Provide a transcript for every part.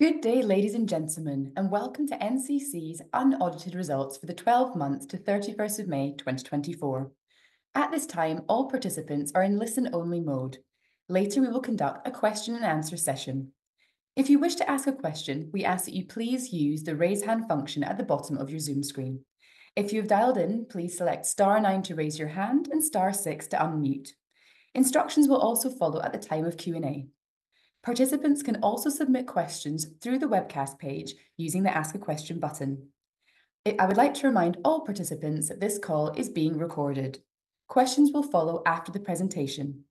Good day, ladies and gentlemen, and welcome to NCC's unaudited results for the twelve months to 31st of May, 2024. At this time, all participants are in listen-only mode. Later, we will conduct a question and answer session. If you wish to ask a question, we ask that you please use the Raise Hand function at the bottom of your Zoom screen. If you have dialed in, please select star nine to raise your hand and star six to unmute. Instructions will also follow at the time of Q&A. Participants can also submit questions through the webcast page using the Ask a Question button. I would like to remind all participants that this call is being recorded. Questions will follow after the presentation.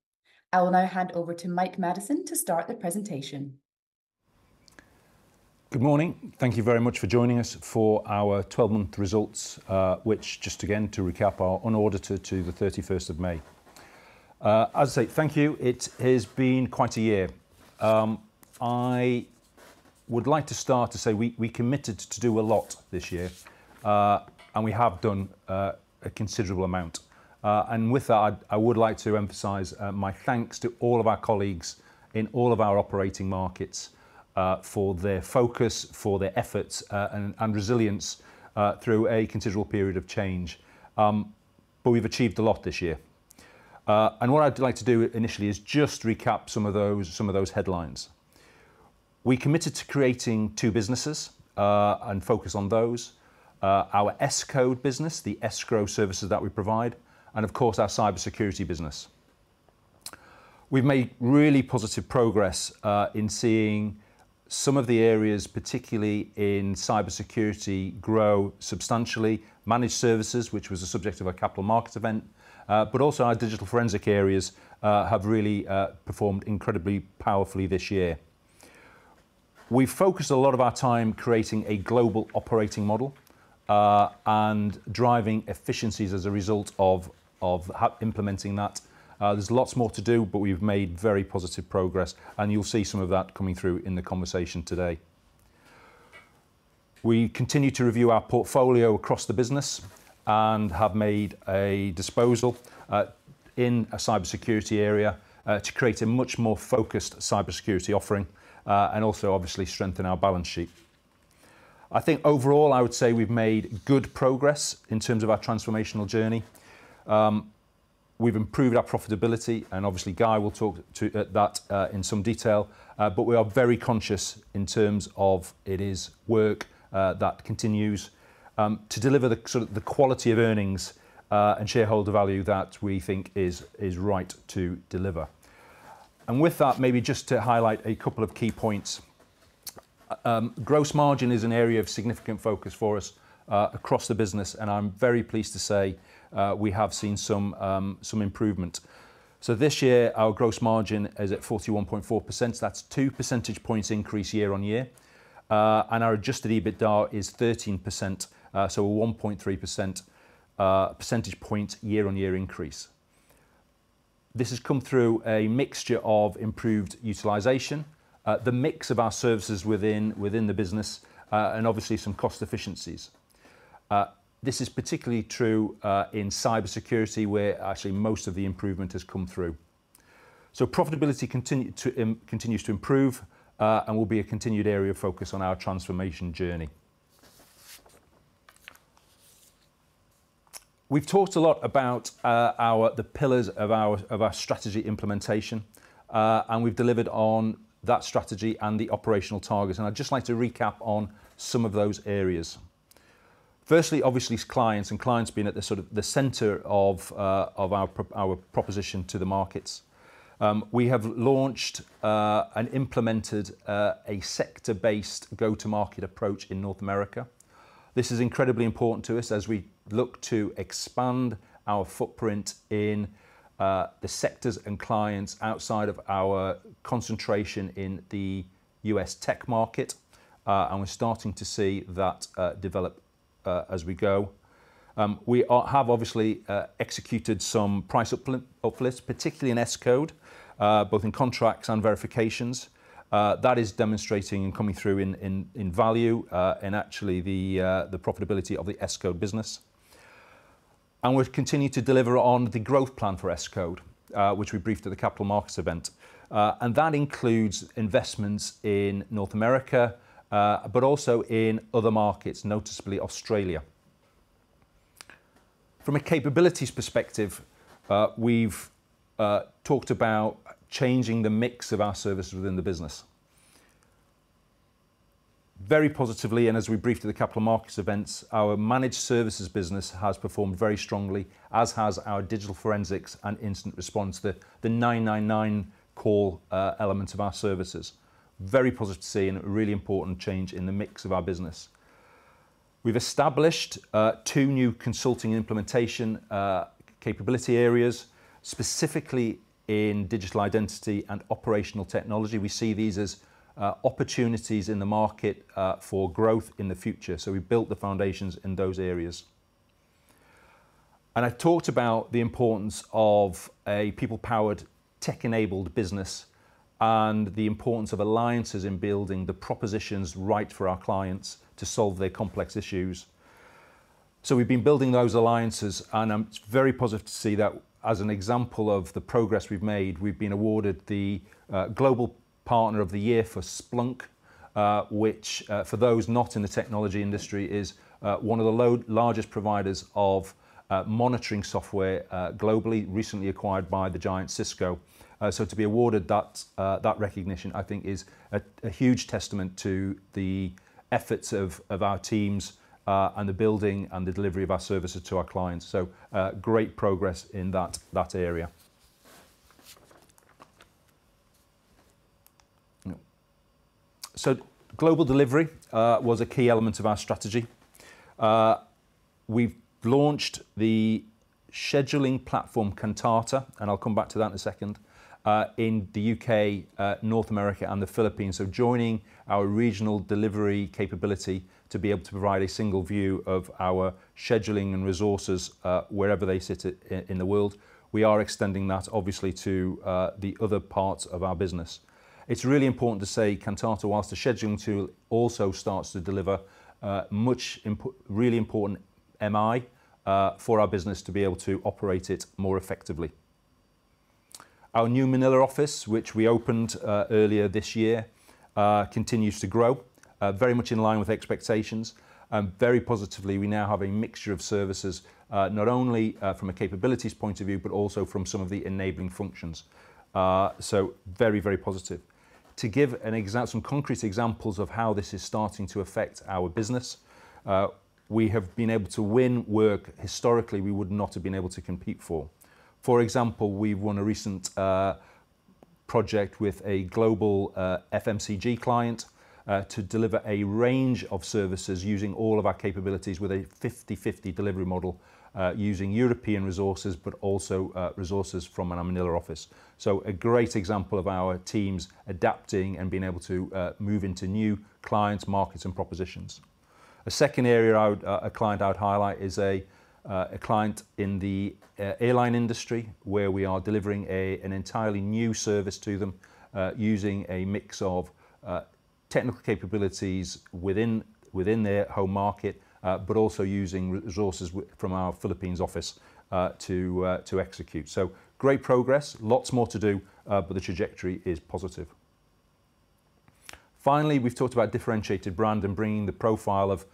I will now hand over to Mike Maddison to start the presentation. Good morning. Thank you very much for joining us for our 12-month results, which, just again, to recap, are unaudited to the 31st of May. As I say, thank you. It has been quite a year. I would like to start to say we committed to do a lot this year, and we have done a considerable amount. And with that, I would like to emphasize my thanks to all of our colleagues in all of our operating markets for their focus, for their efforts, and resilience through a considerable period of change. But we've achieved a lot this year. And what I'd like to do initially is just recap some of those headlines. We committed to creating two businesses and focus on those. Our Escode business, the escrow services that we provide, and of course, our Cybersecurity business. We've made really positive progress in seeing some of the areas, particularly in Cybersecurity, grow substantially. Managed services, which was the subject of our capital markets event, but also our digital forensic areas, have really performed incredibly powerfully this year. We focused a lot of our time creating a global operating model and driving efficiencies as a result of implementing that. There's lots more to do, but we've made very positive progress, and you'll see some of that coming through in the conversation today. We continue to review our portfolio across the business and have made a disposal in a Cybersecurity area to create a much more focused Cybersecurity offering and also obviously strengthen our balance sheet. I think overall, I would say we've made good progress in terms of our transformational journey. We've improved our profitability, and obviously Guy will talk to that in some detail, but we are very conscious in terms of it is work that continues to deliver the sort of the quality of earnings and shareholder value that we think is right to deliver. And with that, maybe just to highlight a couple of key points. Gross margin is an area of significant focus for us across the business, and I'm very pleased to say we have seen some improvement. So this year, our gross margin is at 41.4%. That's 2 percentage points increase year-on-year. And our Adjusted EBITDA is 13%, so a 1.3 percentage point year-on-year increase. This has come through a mixture of improved utilization, the mix of our services within, within the business, and obviously some cost efficiencies. This is particularly true in Cybersecurity, where actually most of the improvement has come through. So profitability continues to improve, and will be a continued area of focus on our transformation journey. We've talked a lot about our-- the pillars of our, of our strategy implementation, and we've delivered on that strategy and the operational targets, and I'd just like to recap on some of those areas. Firstly, obviously, it's clients, and clients being at the sort of the center of, of our pro-- our proposition to the markets. We have launched and implemented a sector-based go-to-market approach in North America. This is incredibly important to us as we look to expand our footprint in the sectors and clients outside of our concentration in the U.S. tech market, and we're starting to see that develop as we go. We have obviously executed some price uplifts, particularly in Escode, both in contracts and verifications. That is demonstrating and coming through in value, and actually the profitability of the Escode business. And we've continued to deliver on the growth plan for Escode, which we briefed at the capital markets event, and that includes investments in North America, but also in other markets, noticeably Australia. From a capabilities perspective, we've talked about changing the mix of our services within the business. Very positively, and as we briefed at the capital markets events, our Managed Services business has performed very strongly, as has our Digital Forensics and Incident Response, the 999 call element of our services. Very positive to see and a really important change in the mix of our business. We've established two new Consulting and Implementation capability areas, specifically in Digital Identity and Operational Technology. We see these as opportunities in the market for growth in the future, so we built the foundations in those areas. And I've talked about the importance of a people-powered, tech-enabled business and the importance of alliances in building the propositions right for our clients to solve their complex issues. So we've been building those alliances, and I'm very positive to see that as an example of the progress we've made. We've been awarded the Global Partner of the Year for Splunk, which, for those not in the technology industry, is one of the largest providers of monitoring software globally, recently acquired by the giant Cisco. So to be awarded that recognition, I think is a huge testament to the efforts of our teams and the building and the delivery of our services to our clients, so great progress in that area. Yeah. So global delivery was a key element of our strategy. We've launched the scheduling platform, Kantata, and I'll come back to that in a second, in the U.K., North America, and the Philippines, so joining our regional delivery capability to be able to provide a single view of our scheduling and resources, wherever they sit in the world. We are extending that obviously to the other parts of our business. It's really important to say Kantata, while a scheduling tool, also starts to deliver really important MI for our business to be able to operate it more effectively. Our new Manila office, which we opened earlier this year, continues to grow very much in line with expectations. Very positively, we now have a mixture of services, not only from a capabilities point of view, but also from some of the enabling functions. So very, very positive. To give some concrete examples of how this is starting to affect our business, we have been able to win work historically we would not have been able to compete for. For example, we won a recent project with a global FMCG client to deliver a range of services using all of our capabilities with a 50/50 delivery model using European resources, but also resources from our Manila office. So a great example of our teams adapting and being able to move into new clients, markets, and propositions. A second area I would highlight is a client in the airline industry, where we are delivering an entirely new service to them, using a mix of technical capabilities within their home market, but also using resources from our Philippines office, to execute. So great progress, lots more to do, but the trajectory is positive. Finally, we've talked about differentiated brand and bringing the profile of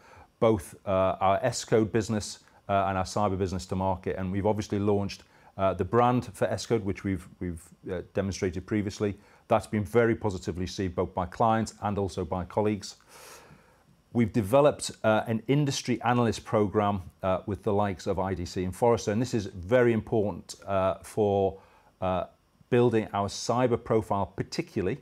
both our Escode business and our Cyber business to market, and we've obviously launched the brand for Escode, which we've demonstrated previously. That's been very positively received, both by clients and also by colleagues. We've developed an industry analyst program with the likes of IDC and Forrester, and this is very important for building our Cyber profile, particularly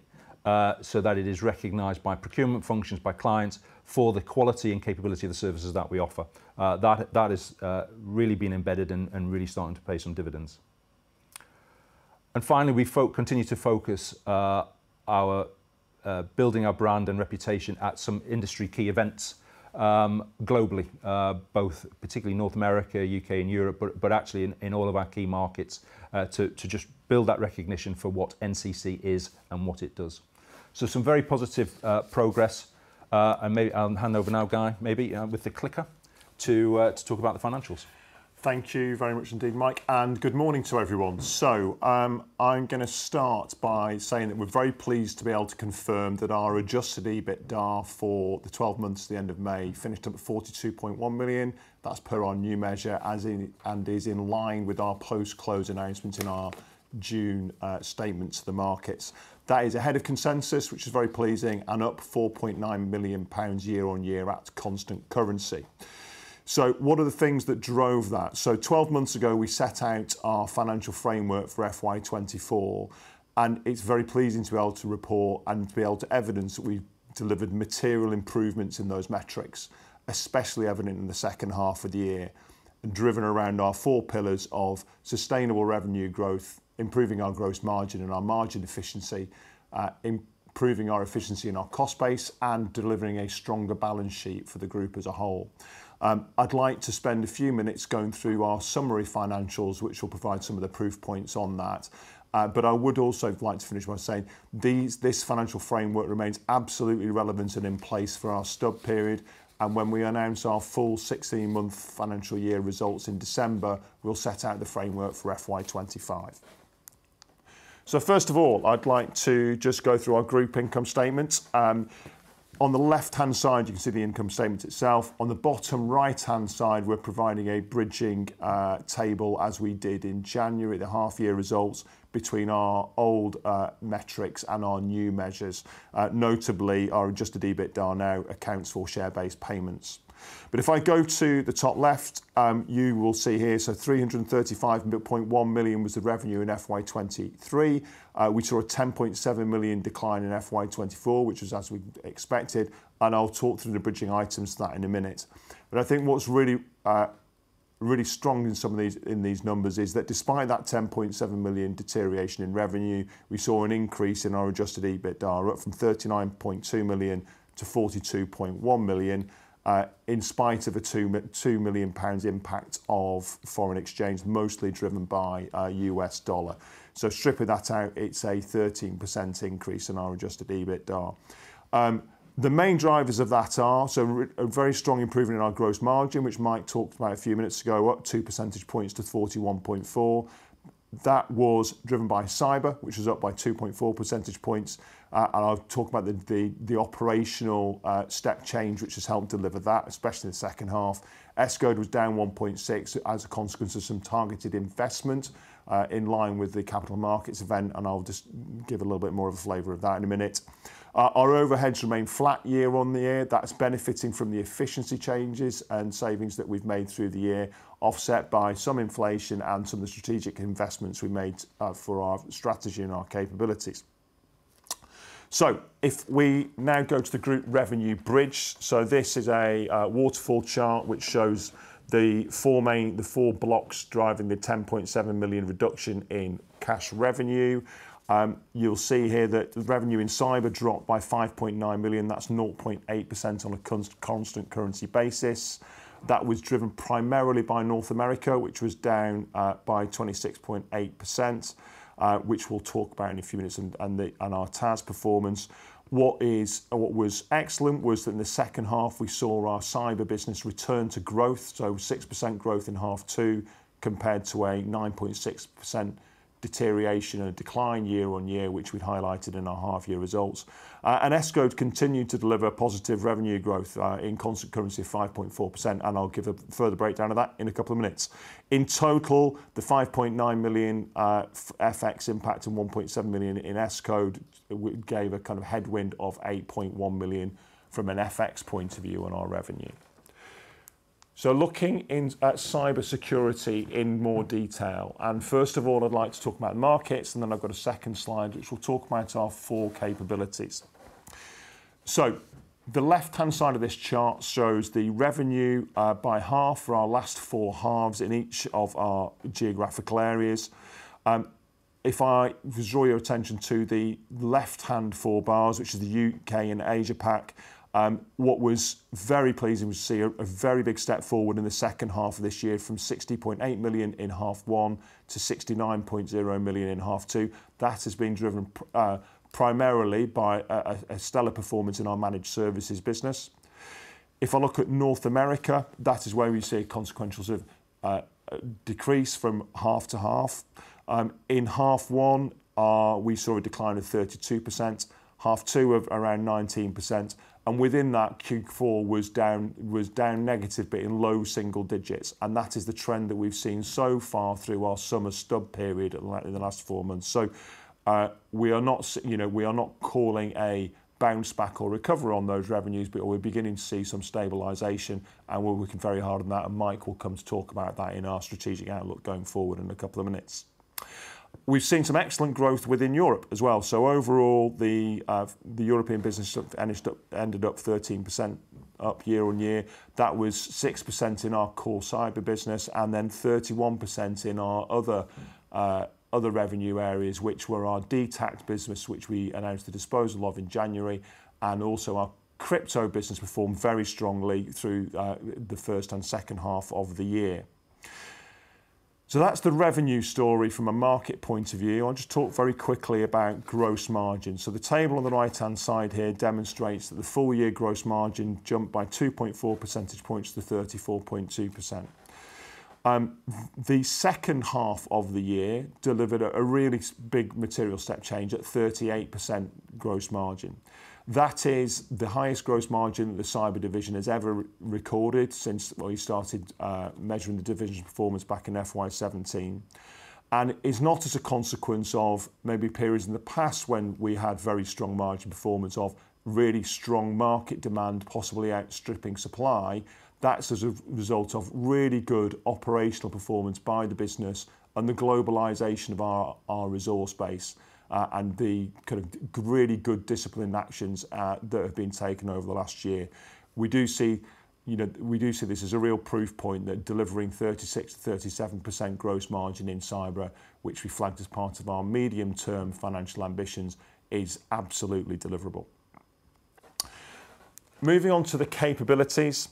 so that it is recognized by procurement functions, by clients, for the quality and capability of the services that we offer. That has really been embedded and really starting to pay some dividends. And finally, we continue to focus our building our brand and reputation at some industry key events globally, both particularly North America, U.K. and Europe, but actually in all of our key markets, to just build that recognition for what NCC is and what it does. So some very positive progress, and maybe I'll hand over now, Guy, with the clicker, to talk about the financials. Thank you very much indeed, Mike, and good morning to everyone. So, I'm going to start by saying that we're very pleased to be able to confirm that our Adjusted EBITDA for the 12 months to the end of May finished up at 42.1 million. That's per our new measure, as in, and is in line with our post-close announcement in our June statement to the markets. That is ahead of consensus, which is very pleasing, and up 4.9 million pounds year-on-year at constant currency. So what are the things that drove that? So 12 months ago, we set out our financial framework for FY 2024, and it's very pleasing to be able to report and to be able to evidence that we've delivered material improvements in those metrics, especially evident in the second half of the year, and driven around our 4 pillars of sustainable revenue growth, improving our gross margin and our margin efficiency, improving our efficiency and our cost base, and delivering a stronger balance sheet for the group as a whole. I'd like to spend a few minutes going through our summary financials, which will provide some of the proof points on that. But I would also like to finish by saying these, this financial framework remains absolutely relevant and in place for our stub period, and when we announce our full 16-month financial year results in December, we'll set out the framework for FY 2025. So first of all, I'd like to just go through our group income statement. On the left-hand side, you can see the income statement itself. On the bottom right-hand side, we're providing a bridging table, as we did in January, the half year results between our old metrics and our new measures, notably our Adjusted EBITDA now accounts for share-based payments. But if I go to the top left, you will see here, so 335.1 million was the revenue in FY 2023. We saw a 10.7 million decline in FY 2024, which was as we expected, and I'll talk through the bridging items to that in a minute. But I think what's really, really strong in some of these, in these numbers is that despite that 10.7 million deterioration in revenue, we saw an increase in our Adjusted EBITDA, up from 39.2 million to 42.1 million, in spite of a 2 million pounds impact of foreign exchange, mostly driven by US dollar. So stripping that out, it's a 13% increase in our Adjusted EBITDA. The main drivers of that are a very strong improvement in our gross margin, which Mike talked about a few minutes ago, up 2 percentage points to 41.4%. That was driven by Cyber, which is up by 2.4 percentage points. And I'll talk about the operational step change, which has helped deliver that, especially in the second half. Escode was down 1.6 as a consequence of some targeted investment in line with the capital markets event, and I'll just give a little bit more of a flavor of that in a minute. Our overheads remain flat year-on-year. That's benefiting from the efficiency changes and savings that we've made through the year, offset by some inflation and some of the strategic investments we made for our strategy and our capabilities. If we now go to the group revenue bridge, this is a waterfall chart, which shows the four main blocks driving the 10.7 million reduction in cash revenue. You'll see here that the revenue in Cyber dropped by 5.9 million. That's 0.8% on a constant currency basis. That was driven primarily by North America, which was down by 26.8%, which we'll talk about in a few minutes, and our TAS performance. What was excellent was that in the second half we saw our Cyber business return to growth, so 6% growth in half two, compared to a 9.6% deterioration and a decline year-over-year, which we've highlighted in our half-year results. Escode continued to deliver positive revenue growth in constant currency of 5.4%, and I'll give a further breakdown of that in a couple of minutes. In total, the 5.9 million FX impact and 1.7 million in Escode gave a kind of headwind of 8.1 million from an FX point of view on our revenue. So looking in, at Cybersecurity in more detail, and first of all, I'd like to talk about markets, and then I've got a second slide, which will talk about our four capabilities. So the left-hand side of this chart shows the revenue by half for our last 4 halves in each of our geographical areas. If I draw your attention to the left-hand 4 bars, which is the U.K. and Asia Pac, what was very pleasing to see a very big step forward in the second half of this year, from 60.8 million in half 1 to 69.0 million in half 2. That has been driven primarily by a stellar performance in our Managed Services business. If I look at North America, that is where we see a consequential sort of decrease from half to half. In half one, we saw a decline of 32%, half two of around 19%, and within that, Q4 was down, was down negative, but in low single digits. And that is the trend that we've seen so far through our summer stub period in the last 4 months. So, we are not, you know, we are not calling a bounce back or recovery on those revenues, but we're beginning to see some stabilization, and we're working very hard on that, and Mike will come to talk about that in our strategic outlook going forward in a couple of minutes. We've seen some excellent growth within Europe as well. So overall, the, the European business finished up, ended up 13% up year-on-year. That was 6% in our core Cyber business, and then 31% in our other, other revenue areas, which were our Detact business, which we announced the disposal of in January, and also our crypto business performed very strongly through the first and second half of the year. So that's the revenue story from a market point of view. I want to talk very quickly about gross margin. So the table on the right-hand side here demonstrates that the full-year gross margin jumped by 2.4 percentage points to 34.2%. The second half of the year delivered a really big material step change at 38% gross margin. That is the highest gross margin the Cyber division has ever re-recorded since we started measuring the division's performance back in FY17. It's not as a consequence of maybe periods in the past when we had very strong margin performance of really strong market demand, possibly outstripping supply. That's as a result of really good operational performance by the business and the globalization of our resource base and the kind of really good disciplined actions that have been taken over the last year. We do see... You know, we do see this as a real proof point that delivering 36%-37% gross margin in Cyber, which we flagged as part of our medium-term financial ambitions, is absolutely deliverable. Moving on to the capabilities.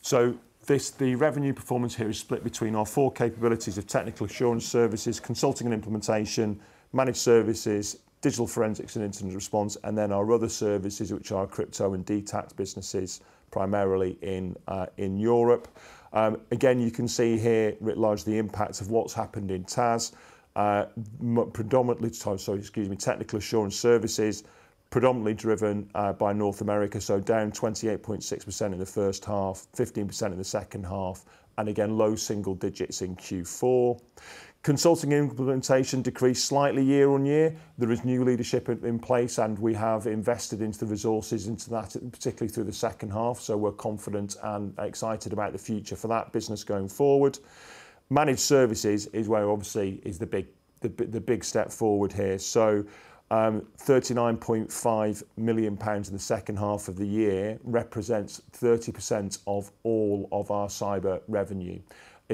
So this, the revenue performance here is split between our four capabilities of technical assurance services, consulting and implementation, Managed Services, digital forensics and incident response, and then our other services, which are crypto and Detact businesses, primarily in Europe. Again, you can see here writ large the impact of what's happened in TAS. Predominantly, excuse me, technical assurance services, predominantly driven by North America, so down 28.6% in the first half, 15% in the second half, and again, low single digits in Q4. Consulting implementation decreased slightly year-on-year. There is new leadership in place, and we have invested into the resources into that, particularly through the second half, so we're confident and excited about the future for that business going forward. Managed services is where, obviously, is the big step forward here. So, 39.5 million pounds in the second half of the year represents 30% of all of our Cyber revenue.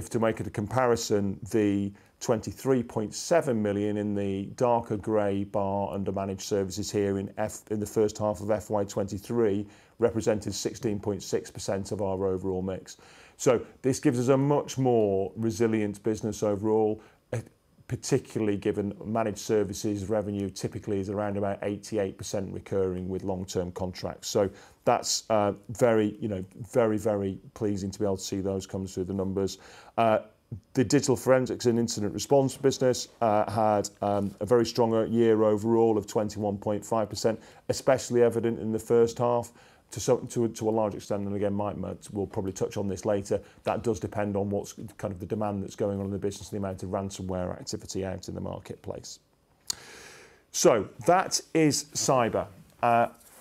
To make it a comparison, the 23.7 million in the darker gray bar under Managed Services here in the first half of FY 2023 represented 16.6% of our overall mix. So this gives us a much more resilient business overall, particularly given Managed Services revenue typically is around about 88% recurring with long-term contracts. So that's very, you know, very, very pleasing to be able to see those come through the numbers. The Digital Forensics and Incident Response business had a very strong year overall of 21.5%, especially evident in the first half. To a large extent, and again, Mike might will probably touch on this later, that does depend on what's kind of the demand that's going on in the business and the amount of ransomware activity out in the marketplace. So that is Cyber.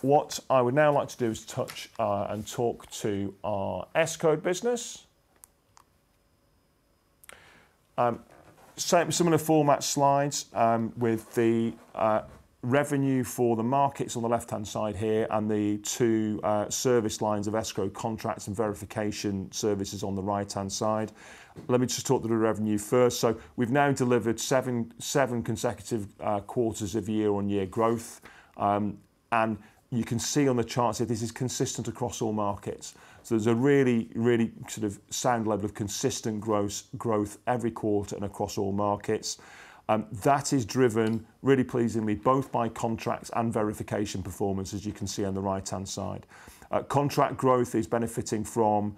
What I would now like to do is touch and talk to our Escode business. Same similar format slides with the revenue for the markets on the left-hand side here, and the two service lines of Escode contracts and verification services on the right-hand side. Let me just talk through the revenue first. So we've now delivered 7, 7 consecutive quarters of year-on-year growth. And you can see on the chart here, this is consistent across all markets. So there's a really, really sort of sound level of consistent gross growth every quarter and across all markets. That is driven, really pleasingly, both by contracts and verification performance, as you can see on the right-hand side. Contract growth is benefiting from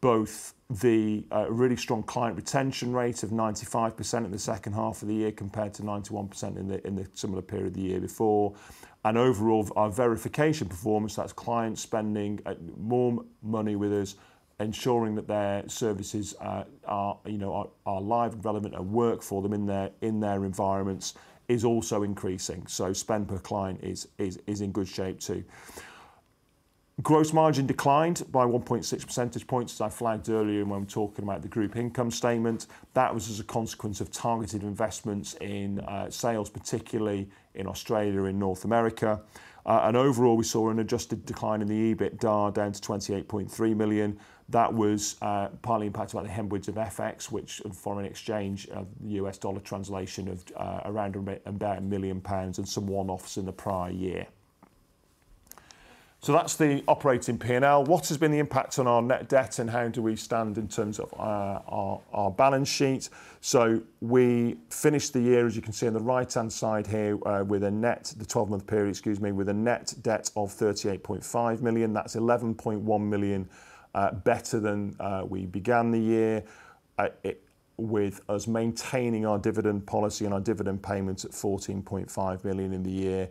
both the really strong client retention rate of 95% in the second half of the year, compared to 91% in the similar period the year before. And overall, our verification performance, that's client spending more money with us, ensuring that their services are, you know, live and relevant and work for them in their environments, is also increasing, so spend per client is in good shape, too. Gross margin declined by 1.6 percentage points, as I flagged earlier when I was talking about the group income statement. That was as a consequence of targeted investments in sales, particularly in Australia and North America. And overall, we saw an adjusted decline in the Adjusted EBITDA, down to 28.3 million. That was partly impacted by the headwind of FX, which foreign exchange, of the U.S. dollar translation of around about 1 million pounds, and some one-offs in the prior year. So that's the operating P&L. What has been the impact on our net debt, and how do we stand in terms of our balance sheet? So we finished the year, as you can see on the right-hand side here, with a net the 12-month period, excuse me, with a net debt of 38.5 million. That's 11.1 million better than we began the year. With us maintaining our dividend policy and our dividend payments at 14.5 billion in the year.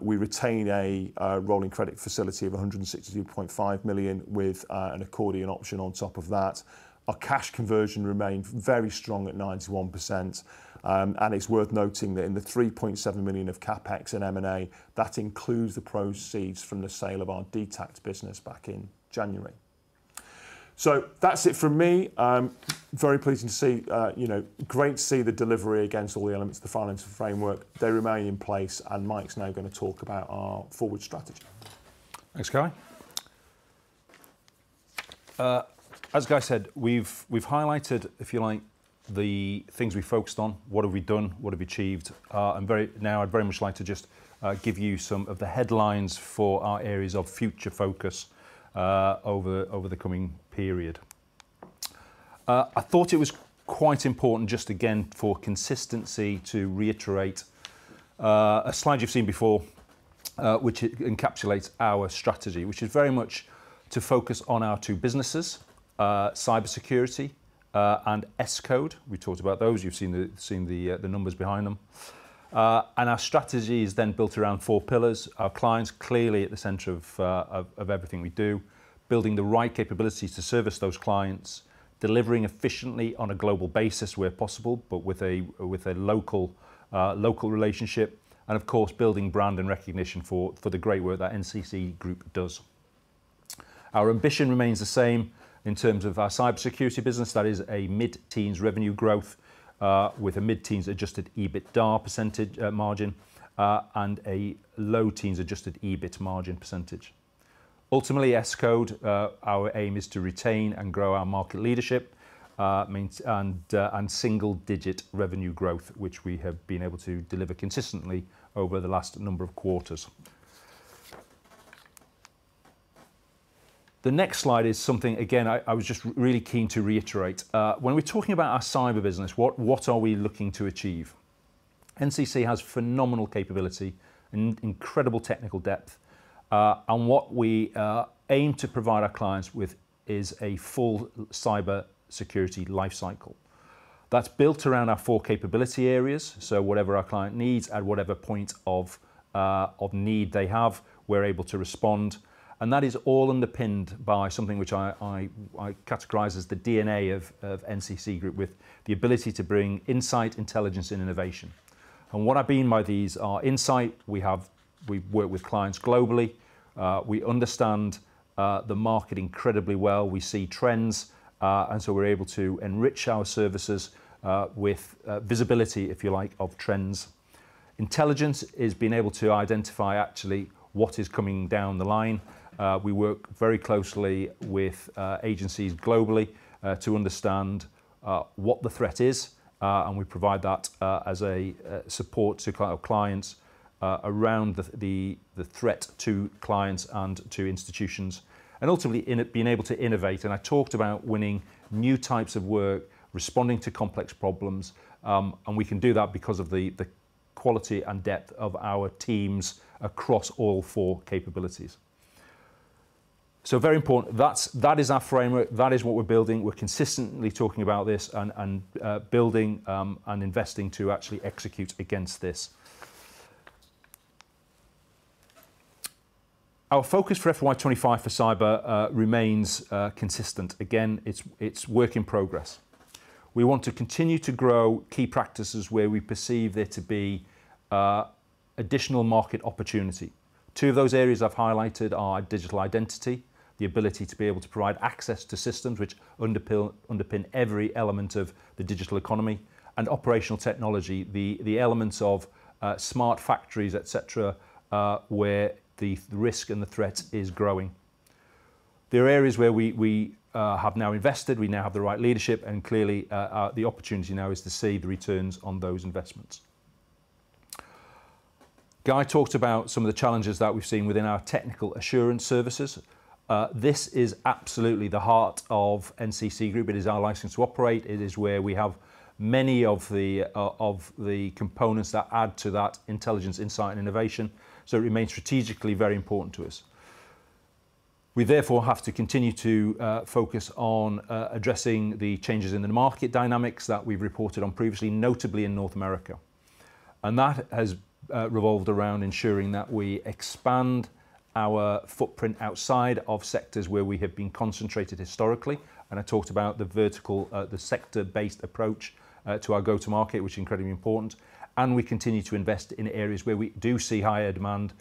We retained a rolling credit facility of 162.5 million, with an accordion option on top of that. Our cash conversion remained very strong at 91%. And it's worth noting that in the 3.7 million of CapEx and M&A, that includes the proceeds from the sale of our Detact business back in January. So that's it from me. I'm very pleased to see, you know, great to see the delivery against all the elements of the financial framework. They remain in place, and Mike's now going to talk about our forward strategy. Thanks, Guy. As Guy said, we've highlighted, if you like, the things we focused on, what have we done, what have we achieved. Now, I'd very much like to just give you some of the headlines for our areas of future focus, over the coming period. I thought it was quite important, just again, for consistency, to reiterate a slide you've seen before, which encapsulates our strategy, which is very much to focus on our two businesses, Cybersecurity and Escode. We talked about those. You've seen the numbers behind them. And our strategy is then built around four pillars: our clients clearly at the center of, of, of everything we do; building the right capabilities to service those clients; delivering efficiently on a global basis where possible, but with a, with a local, local relationship; and of course, building brand and recognition for, for the great work that NCC Group does. Our ambition remains the same in terms of our Cybersecurity business. That is a mid-teens revenue growth, with a mid-teens Adjusted EBITDA percentage margin, and a low teens Adjusted EBIT margin percentage. Ultimately, Escode, our aim is to retain and grow our market leadership, means, and, and single-digit revenue growth, which we have been able to deliver consistently over the last number of quarters. The next slide is something, again, I was just really keen to reiterate. When we're talking about our Cyber business, what are we looking to achieve? NCC has phenomenal capability and incredible technical depth, and what we aim to provide our clients with is a full Cybersecurity life cycle. That's built around our four capability areas, so whatever our client needs, at whatever point of need they have, we're able to respond, and that is all underpinned by something which I categorize as the DNA of NCC Group, with the ability to bring insight, intelligence, and innovation. What I mean by these are: insight, we work with clients globally, we understand the market incredibly well. We see trends, and so we're able to enrich our services, with visibility, if you like, of trends. Intelligence is being able to identify actually what is coming down the line. We work very closely with agencies globally to understand what the threat is, and we provide that as a support to our clients around the threat to clients and to institutions. And ultimately, being able to innovate, and I talked about winning new types of work, responding to complex problems, and we can do that because of the quality and depth of our teams across all four capabilities. So very important. That is our framework, that is what we're building. We're consistently talking about this and building and investing to actually execute against this. Our focus for FY 25 for Cyber remains consistent. Again, it's work in progress. We want to continue to grow key practices where we perceive there to be additional market opportunity. Two of those areas I've highlighted are digital identity, the ability to be able to provide access to systems which underpin every element of the digital economy, and operational technology, the elements of smart factories, et cetera, where the risk and the threat is growing. There are areas where we have now invested, we now have the right leadership, and clearly the opportunity now is to see the returns on those investments. Guy talked about some of the challenges that we've seen within our technical assurance services. This is absolutely the heart of NCC Group. It is our license to operate. It is where we have many of the components that add to that intelligence, insight, and innovation, so it remains strategically very important to us. We therefore have to continue to focus on addressing the changes in the market dynamics that we've reported on previously, notably in North America. And that has revolved around ensuring that we expand our footprint outside of sectors where we have been concentrated historically. And I talked about the vertical, the sector-based approach to our go-to market, which is incredibly important, and we continue to invest in areas where we do see higher demand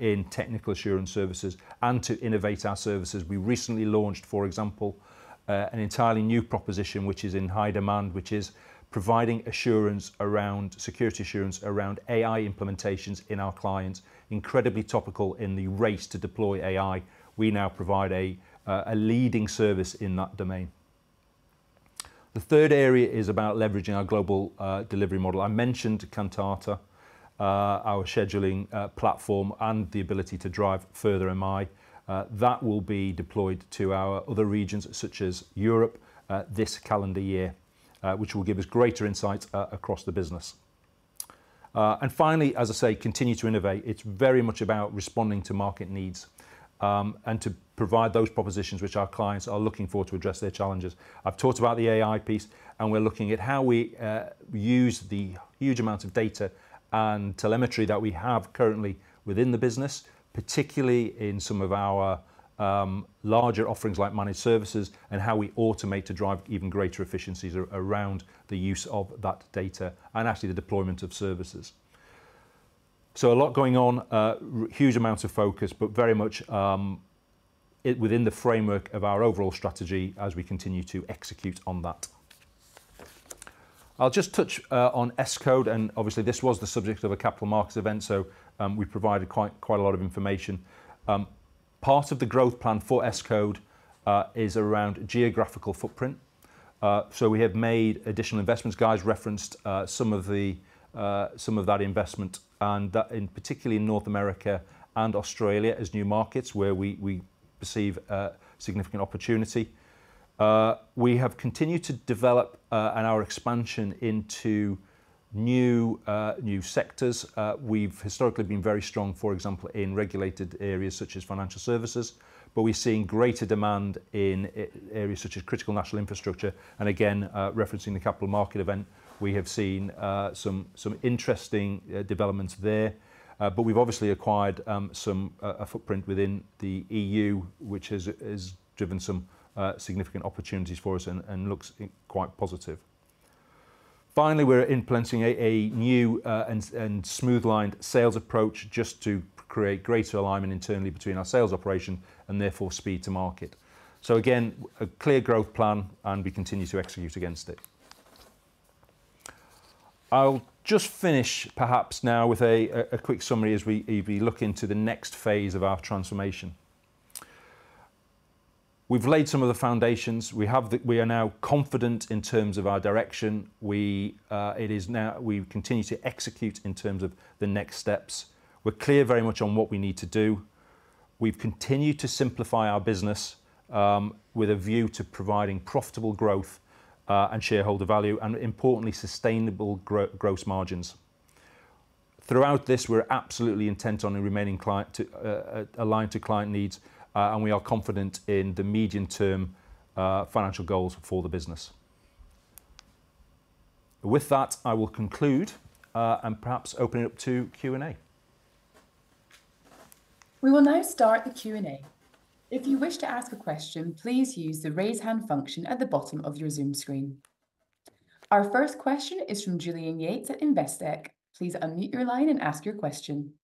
in Technical Assurance Services and to innovate our services. We recently launched, for example, an entirely new proposition, which is in high demand, which is providing assurance around security assurance around AI implementations in our clients. Incredibly topical in the race to deploy AI. We now provide a leading service in that domain. The third area is about leveraging our global delivery model. I mentioned Kantata, our scheduling platform, and the ability to drive further MI. That will be deployed to our other regions, such as Europe, this calendar year, which will give us greater insight across the business. And finally, as I say, continue to innovate. It's very much about responding to market needs, and to provide those propositions which our clients are looking for to address their challenges. I've talked about the AI piece, and we're looking at how we use the huge amount of data and telemetry that we have currently within the business, particularly in some of our larger offerings, like Managed Services, and how we automate to drive even greater efficiencies around the use of that data and actually the deployment of services. So a lot going on, huge amounts of focus, but very much it within the framework of our overall strategy as we continue to execute on that. I'll just touch on Escode, and obviously, this was the subject of a capital markets event, so we provided quite, quite a lot of information. Part of the growth plan for Escode is around geographical footprint. So we have made additional investments. Guy's referenced some of the, some of that investment, and that in particular in North America and Australia as new markets where we perceive a significant opportunity. We have continued to develop and our expansion into new sectors. We've historically been very strong, for example, in regulated areas such as financial services, but we're seeing greater demand in areas such as critical national infrastructure, and again, referencing the capital market event, we have seen some interesting developments there. But we've obviously acquired a footprint within the E.U., which has driven some significant opportunities for us and looks quite positive. Finally, we're implementing a new and streamlined sales approach just to create greater alignment internally between our sales operation and therefore speed to market. So again, a clear growth plan, and we continue to execute against it. I'll just finish perhaps now with a quick summary as we look into the next phase of our transformation. We've laid some of the foundations. We are now confident in terms of our direction. We continue to execute in terms of the next steps. We're clear very much on what we need to do. We've continued to simplify our business, with a view to providing profitable growth, and shareholder value, and importantly, sustainable gross margins. Throughout this, we're absolutely intent on remaining client to, aligned to client needs, and we are confident in the medium-term financial goals for the business. With that, I will conclude, and perhaps open it up to Q&A. We will now start the Q&A. If you wish to ask a question, please use the Raise Hand function at the bottom of your Zoom screen. Our first question is from Julian Yates at Investec. Please unmute your line and ask your question.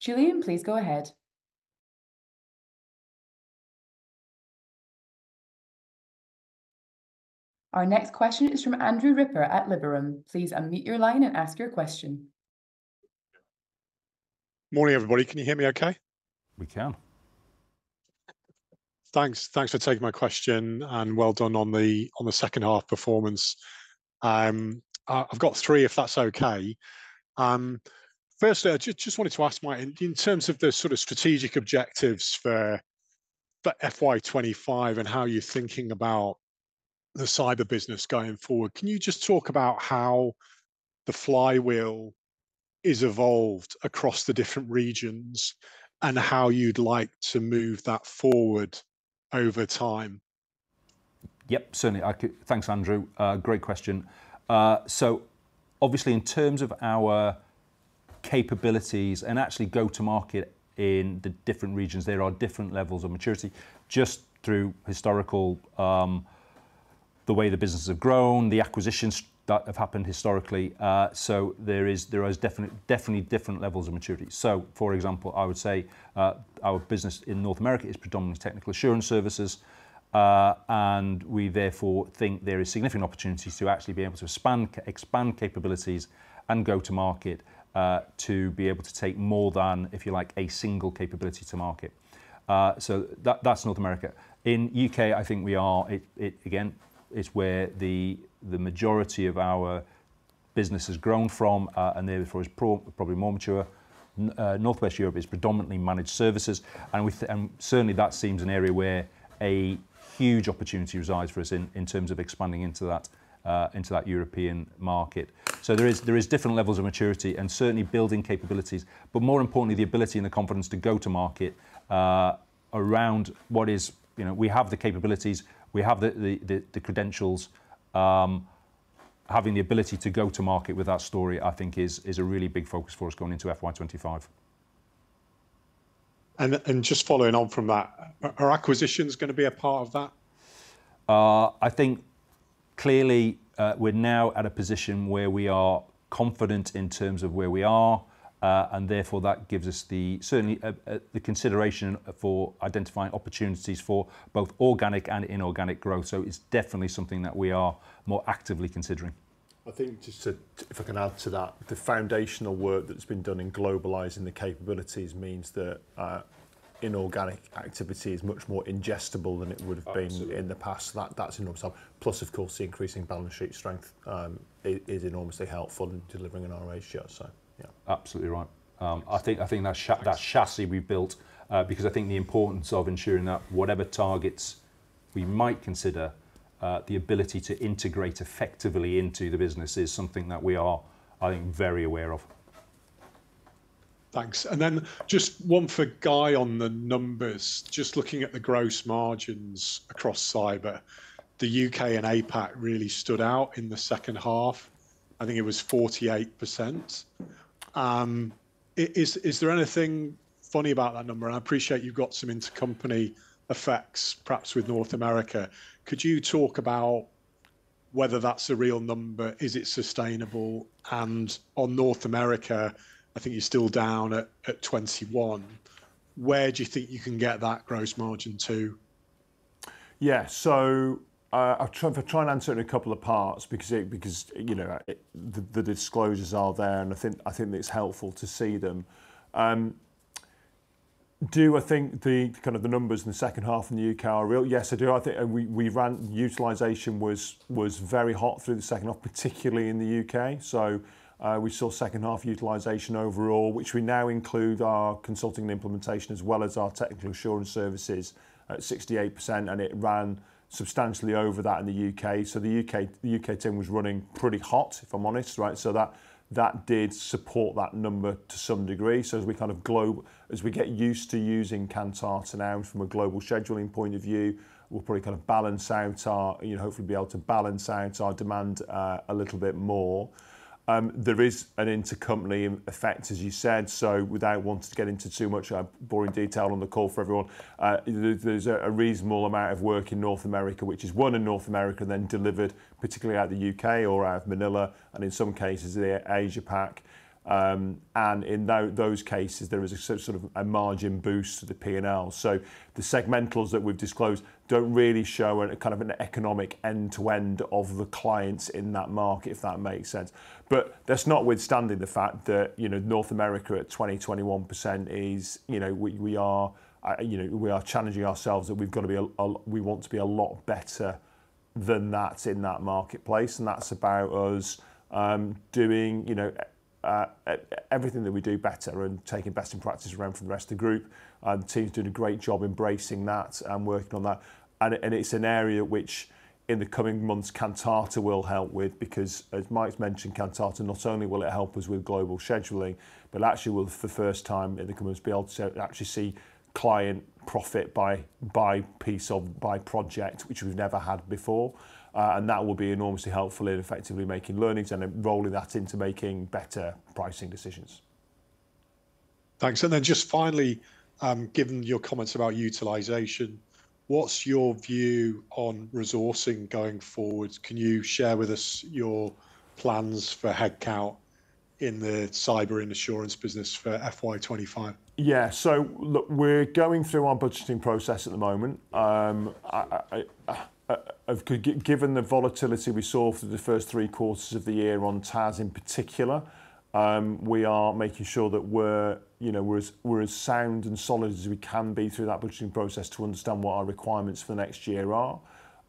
Julian, please go ahead. Our next question is from Andrew Ripper at Liberum. Please unmute your line and ask your question. Morning, everybody. Can you hear me okay? We can. Thanks. Thanks for taking my question, and well done on the second half performance. I've got three, if that's okay. Firstly, I just wanted to ask Mike, in terms of the sort of strategic objectives for FY 25 and how you're thinking about the Cyber business going forward, can you just talk about how the flywheel is evolved across the different regions, and how you'd like to move that forward over time? Yep, certainly, I can... Thanks, Andrew. Great question. So obviously, in terms of our capabilities and actually go-to-market in the different regions, there are different levels of maturity just through historical, the way the businesses have grown, the acquisitions that have happened historically. So there is, there is definitely different levels of maturity. So, for example, I would say, our business in North America is predominantly technical assurance services, and we therefore think there is significant opportunities to actually be able to expand expand capabilities and go to market, to be able to take more than, if you like, a single capability to market. So that, that's North America. In U.K., I think we are, it, it again, it's where the, the majority of our business has grown from, and therefore is probably more mature. Northwest Europe is predominantly Managed Services. And certainly, that seems an area where a huge opportunity resides for us in terms of expanding into that European market. So there is different levels of maturity and certainly building capabilities, but more importantly, the ability and the confidence to go to market around what is... You know, we have the capabilities, we have the credentials. Having the ability to go to market with our story, I think is a really big focus for us going into FY 25. Just following on from that, are acquisitions going to be a part of that? I think clearly, we're now at a position where we are confident in terms of where we are, and therefore, that gives us the... certainly, the consideration for identifying opportunities for both organic and inorganic growth, so it's definitely something that we are more actively considering. I think, just to, if I can add to that, the foundational work that's been done in globalizing the capabilities means that, inorganic activity is much more ingestible than it would have been- Absolutely. in the past. That, that's enormous help. Plus, of course, the increasing balance sheet strength is enormously helpful in delivering on our ratio, so yeah. Absolutely right. I think that sha that chassis we built, because I think the importance of ensuring that whatever targets we might consider, the ability to integrate effectively into the business is something that we are, I think, very aware of. Thanks. And then just one for Guy on the numbers. Just looking at the gross margins across Cyber, the U.K. and APAC really stood out in the second half. I think it was 48%. Is there anything funny about that number? And I appreciate you've got some intercompany effects, perhaps with North America. Could you talk about whether that's a real number? Is it sustainable? And on North America, I think you're still down at 21. Where do you think you can get that gross margin to? Yeah. So, I'll try and answer it in a couple of parts because it, because, you know, it... The disclosures are there, and I think it's helpful to see them. Do I think the kind of the numbers in the second half in the U.K. are real? Yes, I do. I think we ran... Utilization was very hot through the second half, particularly in the U.K.. So, we saw second half utilization overall, which we now include our consulting and implementation, as well as our technical assurance services at 68%, and it ran substantially over that in the U.K.. So the U.K. team was running pretty hot, if I'm honest, right? So that did support that number to some degree. So as we get used to using Kantata now from a global scheduling point of view, we'll probably kind of balance out our, you know, hopefully be able to balance out our demand, a little bit more. There is an intercompany effect, as you said, so without wanting to get into too much, boring detail on the call for everyone, there, there's a reasonable amount of work in North America, which is one in North America, and then delivered, particularly out of the U.K. or out of Manila, and in some cases, Asia Pac. And in those cases, there is a sort of a margin boost to the P&L. So the segmentals that we've disclosed don't really show a kind of an economic end-to-end of the clients in that market, if that makes sense. But that's notwithstanding the fact that, you know, North America at 21% is, you know, we are challenging ourselves that we've got to be a... We want to be a lot better than that in that marketplace, and that's about us doing, you know, everything that we do better and taking best practices around from the rest of the group. And the team's doing a great job embracing that and working on that. And it's an area which, in the coming months, Kantata will help with because, as Mike's mentioned, Kantata, not only will it help us with global scheduling, but actually will, for the first time in the coming months, be able to actually see client profit by piece or by project, which we've never had before. And that will be enormously helpful in effectively making learnings and then rolling that into making better pricing decisions. Thanks. And then just finally, given your comments about utilization, what's your view on resourcing going forward? Can you share with us your plans for headcount in the Cyber and Insurance business for FY 25? Yeah. So look, we're going through our budgeting process at the moment. Given the volatility we saw through the first three quarters of the year on TAS in particular, we are making sure that we're, you know, as sound and solid as we can be through that budgeting process to understand what our requirements for the next year are.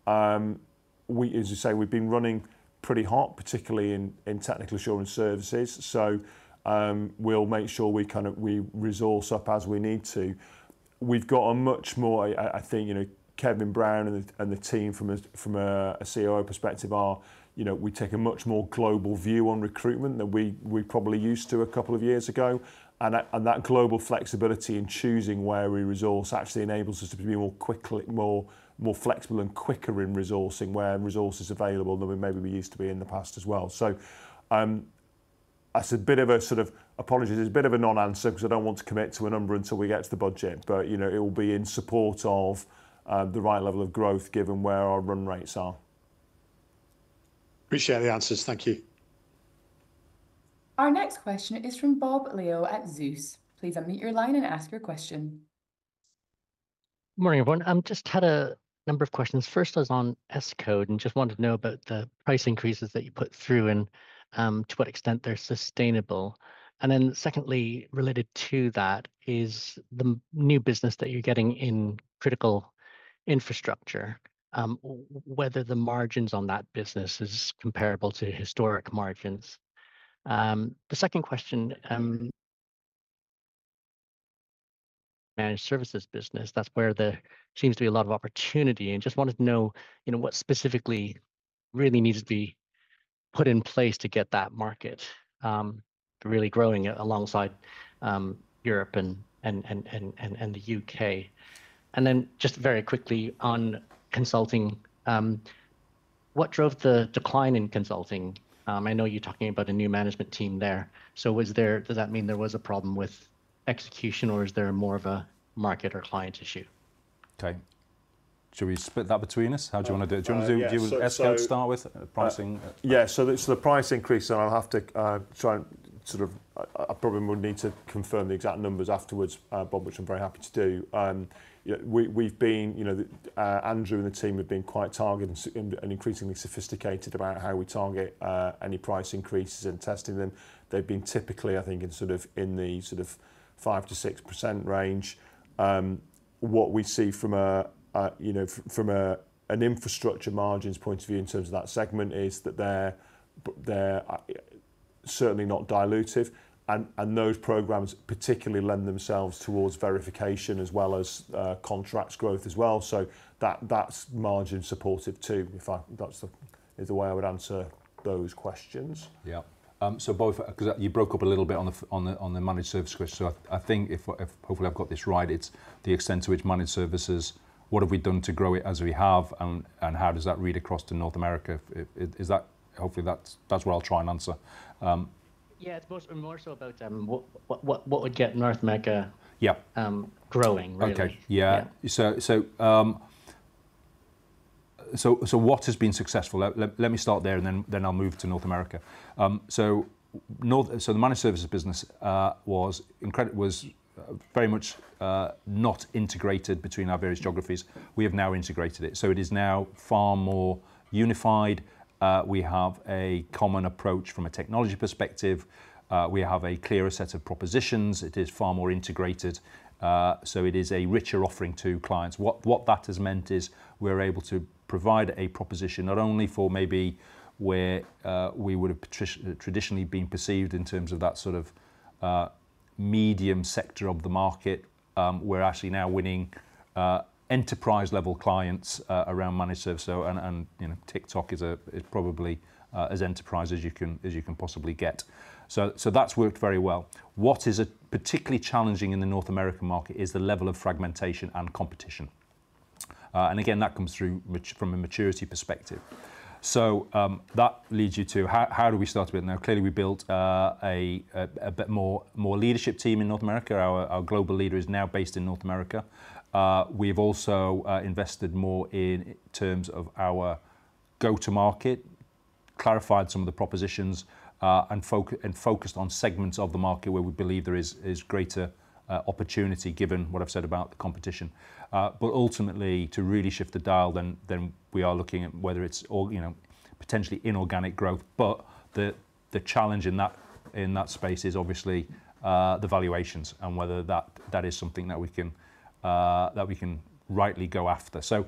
As you say, we've been running pretty hot, particularly in technical assurance services, so we'll make sure we kind of resource up as we need to. We've got a much more, I think, you know, Kevin Brown and the team from a COO perspective are, you know, we take a much more global view on recruitment than we probably used to a couple of years ago. And that global flexibility in choosing where we resource actually enables us to be more quickly, more flexible and quicker in resourcing where resource is available than we maybe used to be in the past as well. So, that's a bit of a sort of, apologies, it's a bit of a non-answer because I don't want to commit to a number until we get to the budget, but, you know, it will be in support of the right level of growth, given where our run rates are. Appreciate the answers. Thank you. Our next question is from Bob Liao at Zeus. Please unmute your line and ask your question. Morning, everyone. I've just had a number of questions. First is on Escode, and just wanted to know about the price increases that you put through and to what extent they're sustainable. And then secondly, related to that, is the new business that you're getting in critical infrastructure, whether the margins on that business is comparable to historic margins? The second question, Managed Services business, that's where there seems to be a lot of opportunity, and just wanted to know, you know, what specifically really needs to be put in place to get that market really growing alongside Europe and the U.K.? And then, just very quickly on consulting, what drove the decline in consulting? I know you're talking about a new management team there, so does that mean there was a problem with execution, or is there more of a market or client issue? Okay. Should we split that between us? How do you want to do it? Yeah, so- Do you want to do Escode to start with, pricing? Yeah, so the price increase, and I'll have to try and sort of... I probably would need to confirm the exact numbers afterwards, Bob, which I'm very happy to do. Yeah, we, we've been, you know, Andrew and the team have been quite targeted and increasingly sophisticated about how we target any price increases and testing them. They've been typically, I think, in sort of the 5%-6% range. What we see from a, you know, from a infrastructure margins point of view in terms of that segment, is that they're certainly not dilutive, and those programs particularly lend themselves towards verification as well as contracts growth as well, so that's margin supportive, too. That's the way I would answer those questions. Yeah. So both, 'cause you broke up a little bit on the managed service question, so I think if hopefully I've got this right, it's the extent to which Managed Services, what have we done to grow it as we have, and how does that read across to North America? If... Is that... Hopefully, that's what I'll try and answer. Yeah, it's more so about what would get North America- Yeah... growing, really? Okay. Yeah. Yeah. So what has been successful? Let me start there, and then I'll move to North America. The Managed Services business was incredibly not integrated between our various geographies. We have now integrated it, so it is now far more unified. We have a common approach from a technology perspective. We have a clearer set of propositions. It is far more integrated, so it is a richer offering to clients. What that has meant is we're able to provide a proposition not only for maybe where we would've traditionally been perceived in terms of that sort of medium sector of the market. We're actually now winning enterprise-level clients around managed service, so and you know, TikTok is probably as enterprise as you can, as you can possibly get. So that's worked very well. What is particularly challenging in the North American market is the level of fragmentation and competition. And again, that comes through from a maturity perspective. So that leads you to how do we start with? Now, clearly, we built a bit more leadership team in North America. Our global leader is now based in North America. We've also invested more in terms of our go-to-market, clarified some of the propositions, and focused on segments of the market where we believe there is greater opportunity, given what I've said about the competition. But ultimately, to really shift the dial, then, then we are looking at whether it's, you know, potentially inorganic growth. But the, the challenge in that, in that space is obviously, the valuations and whether that, that is something that we can, that we can rightly go after. So,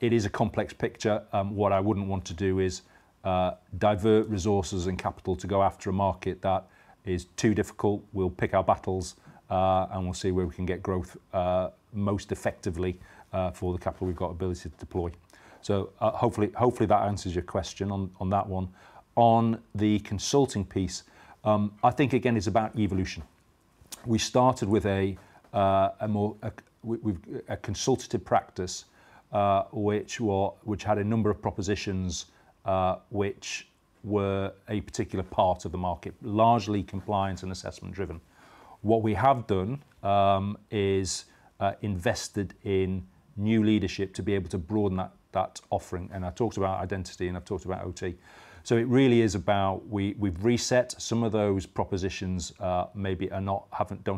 it is a complex picture. What I wouldn't want to do is, divert resources and capital to go after a market that is too difficult. We'll pick our battles, and we'll see where we can get growth, most effectively, for the capital we've got ability to deploy. So, hopefully, hopefully, that answers your question on, on that one. On the consulting piece, I think, again, it's about evolution. We started with a more consultative practice, which had a number of propositions, which were a particular part of the market, largely compliance and assessment driven. What we have done is invested in new leadership to be able to broaden that offering, and I talked about identity, and I've talked about OT. So it really is about we've reset some of those propositions, maybe don't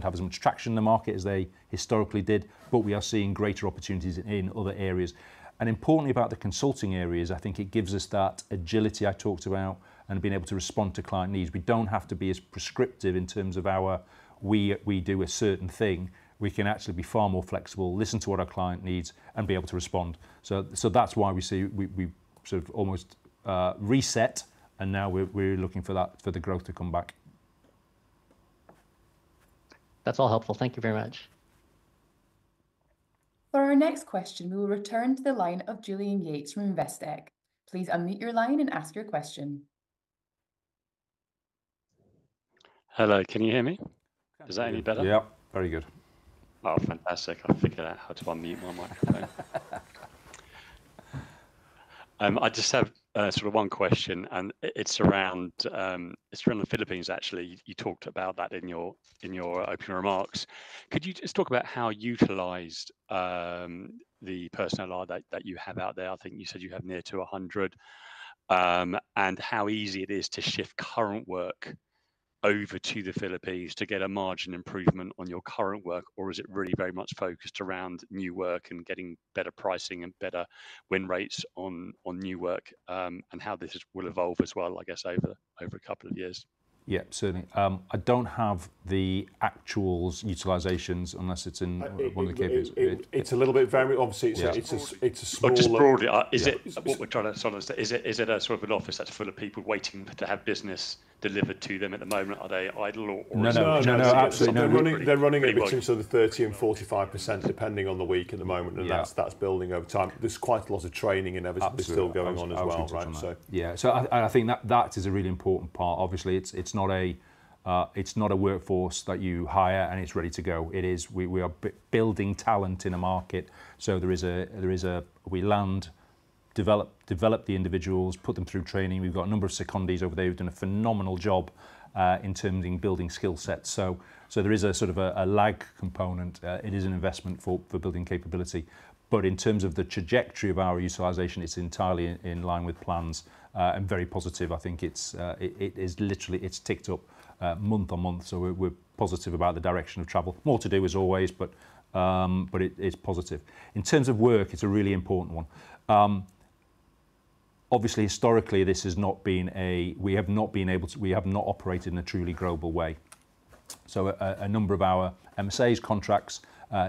have as much traction in the market as they historically did, but we are seeing greater opportunities in other areas. Importantly about the consulting area is I think it gives us that agility I talked about and being able to respond to client needs. We don't have to be as prescriptive in terms of our, we do a certain thing. We can actually be far more flexible, listen to what our client needs, and be able to respond. So that's why we see sort of almost reset, and now we're looking for that, for the growth to come back. That's all helpful. Thank you very much. For our next question, we will return to the line of Julian Yates from Investec. Please unmute your line and ask your question. Hello, can you hear me? Is that any better? Yep, very good. Oh, fantastic. I figured out how to unmute my microphone. I just have sort of one question, and it's around the Philippines, actually. You talked about that in your opening remarks. Could you just talk about how utilized the personnel are that you have out there? I think you said you have near to 100. And how easy it is to shift current work over to the Philippines to get a margin improvement on your current work, or is it really very much focused around new work and getting better pricing and better win rates on new work? And how this will evolve as well, I guess, over a couple of years. Yeah, certainly. I don't have the actuals utilizations unless it's in one of the KPIs. It's a little bit varied. Obviously- Yeah. it's a small- Oh, just broadly. Yeah. Is it what we're trying to sort of understand, is it a sort of an office that's full of people waiting to have business delivered to them at the moment? Are they idle or is it- No, no, absolutely. No, no, they're running, they're running between sort of 30%-45%, depending on the week at the moment- Yeah... and that's, that's building over time. There's quite a lot of training inevitably- Absolutely... still going on as well, right, so. I think that is a really important part. Obviously, it's not a workforce that you hire, and it's ready to go. It is. We are building talent in a market, so there is a lag. We land, develop the individuals, put them through training. We've got a number of secondees over there who've done a phenomenal job in terms of building skill sets. So there is a sort of a lag component. It is an investment for building capability. But in terms of the trajectory of our utilization, it's entirely in line with plans, and very positive. I think it is literally. It's ticked up month-on-month, so we're positive about the direction of travel. More to do as always, but it, it's positive. In terms of work, it's a really important one. Obviously, historically, this has not been a – we have not been able to. We have not operated in a truly global way. So a number of our MSAs contracts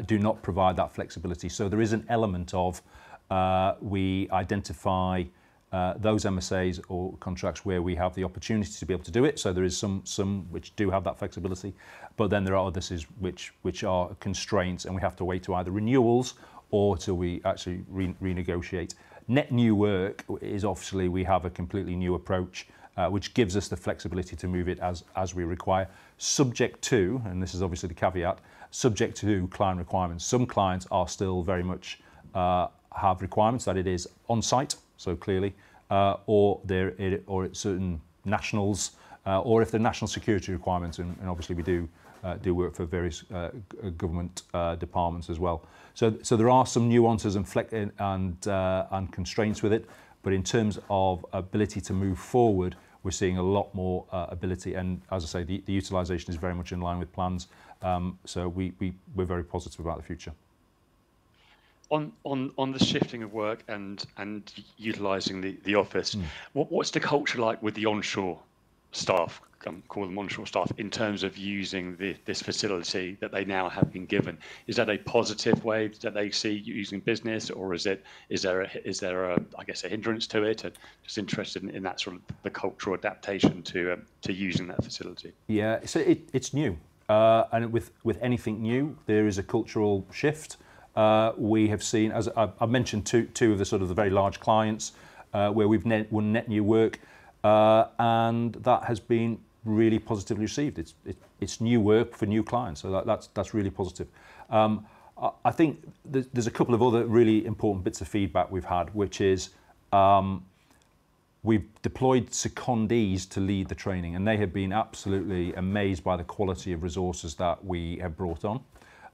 do not provide that flexibility. So there is an element of, we identify those MSAs or contracts where we have the opportunity to be able to do it, so there is some which do have that flexibility, but then there are others which are constraints, and we have to wait to either renewals or till we actually renegotiate. Net new work is obviously, we have a completely new approach, which gives us the flexibility to move it as we require, subject to, and this is obviously the caveat, subject to client requirements. Some clients are still very much have requirements that it is on site, so clearly, or there, it, or it's certain nationals, or if they're national security requirements, and obviously, we do do work for various government departments as well. So there are some nuances and flex, and constraints with it, but in terms of ability to move forward, we're seeing a lot more ability, and as I say, the utilization is very much in line with plans. So we, we're very positive about the future. On the shifting of work and utilizing the office, What, what's the culture like with the onshore staff? Call them onshore staff, in terms of using this, this facility that they now have been given. Is that a positive way that they see you using business, or is it, is there a, is there a, I guess, a hindrance to it? Just interested in that sort of the cultural adaptation to, to using that facility. Yeah. So it's new, and with anything new, there is a cultural shift. We have seen, as I've mentioned, two of the sort of very large clients, where we're net new work, and that has been really positively received. It's new work for new clients, so that's really positive. I think there's a couple of other really important bits of feedback we've had, which is, we've deployed secondees to lead the training, and they have been absolutely amazed by the quality of resources that we have brought on.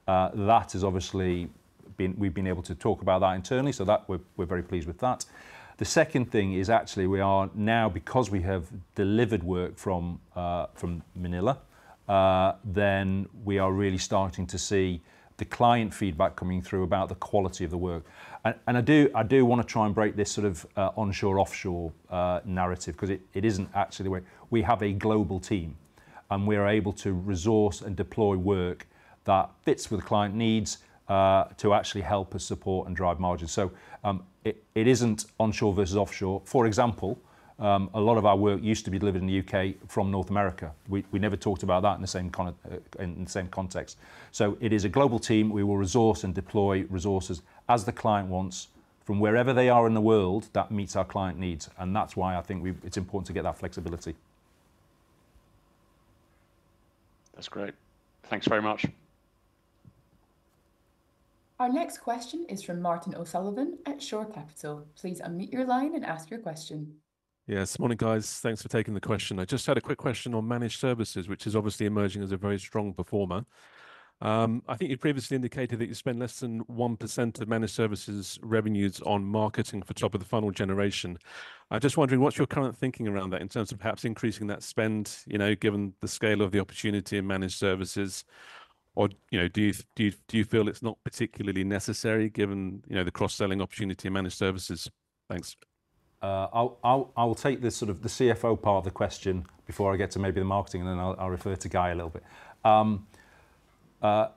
That has obviously been... We've been able to talk about that internally, so we're very pleased with that. The second thing is actually we are now, because we have delivered work from Manila, then we are really starting to see the client feedback coming through about the quality of the work. And I do wanna try and break this sort of onshore, offshore narrative, 'cause it isn't actually the way. We have a global team, and we are able to resource and deploy work that fits with the client needs, to actually help us support and drive margins. So, it isn't onshore versus offshore. For example, a lot of our work used to be delivered in the U.K. from North America. We never talked about that in the same context. So it is a global team. We will resource and deploy resources as the client wants, from wherever they are in the world, that meets our client needs, and that's why I think it's important to get that flexibility. That's great. Thanks very much. Our next question is from Martin O'Sullivan at Shore Capital. Please unmute your line and ask your question. Yeah, morning, guys. Thanks for taking the question. I just had a quick question on Managed Services, which is obviously emerging as a very strong performer. I think you previously indicated that you spend less than 1% of Managed Services revenues on marketing for top-of-the-funnel generation. I'm just wondering, what's your current thinking around that in terms of perhaps increasing that spend, you know, given the scale of the opportunity in Managed Services? Or, you know, do you, do you, do you feel it's not particularly necessary given, you know, the cross-selling opportunity in Managed Services? Thanks. I'll take this sort of the CFO part of the question before I get to maybe the marketing, and then I'll refer to Guy a little bit.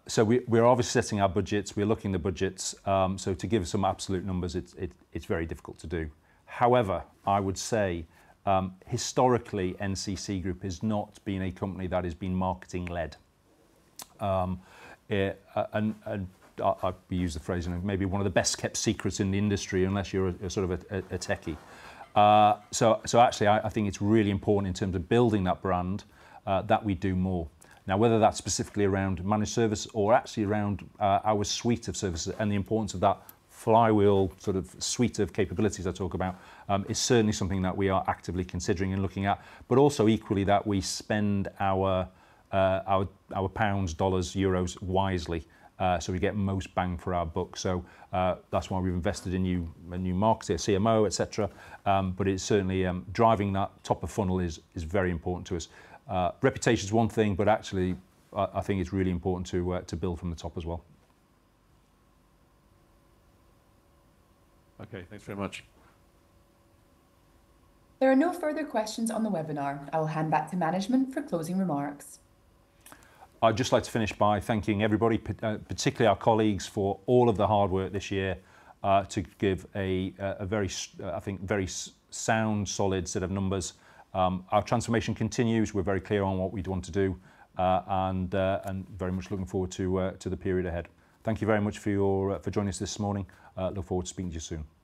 So we're obviously setting our budgets, we're looking at the budgets, so to give some absolute numbers, it's very difficult to do. However, I would say, historically, NCC Group has not been a company that has been marketing led. And I use the phrase and maybe one of the best-kept secrets in the industry, unless you're sort of a techie. So actually, I think it's really important in terms of building that brand, that we do more. Now, whether that's specifically around managed service or actually around our suite of services and the importance of that flywheel sort of suite of capabilities I talk about, is certainly something that we are actively considering and looking at, but also equally, that we spend our pounds, dollars, euros wisely, so we get most bang for our buck. So, that's why we've invested in new markets, a CMO, et cetera, but it's certainly driving that top of funnel is very important to us. Reputation is one thing, but actually, I think it's really important to build from the top as well. Okay, thanks very much. There are no further questions on the webinar. I'll hand back to management for closing remarks. I'd just like to finish by thanking everybody, particularly our colleagues, for all of the hard work this year, to give a very sound, solid set of numbers. Our transformation continues. We're very clear on what we'd want to do, and very much looking forward to the period ahead. Thank you very much for joining us this morning. Look forward to speaking to you soon.